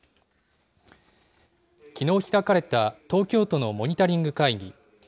きのう開かれた東京都のモニタリング会議。